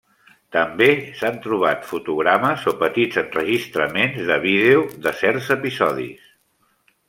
També s'han trobat fotogrames o petits enregistraments de vídeo de certs episodis.